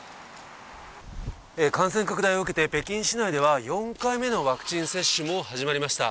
感染拡大を受けて、北京市内では、４回目のワクチン接種も始まりました。